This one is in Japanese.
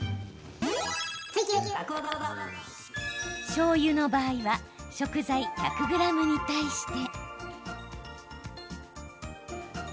しょうゆの場合は食材１００ｇに対して。